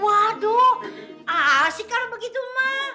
waduh asik kalau begitu mak